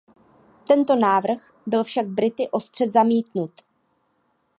Tento návrh byl však Brity ostře zamítnut.